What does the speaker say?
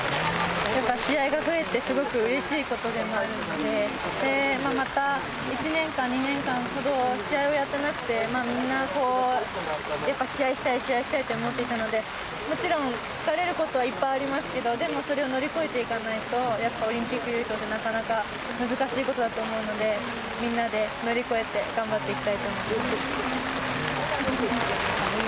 試合が増えてすごくうれしいことでもあるので、また１年間、２年間ほど試合をやってなくて、みんな試合したい試合したいって思っていたので、もちろん疲れることはいっぱいありますけど、でもそれを乗り越えていかないとやっぱりオリンピック優勝ってなかなか難しいことだと思うので、みんなで乗り越えて、頑張っていきたいと思います。